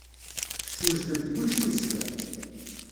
Teswejdem-d kullec i uzekka?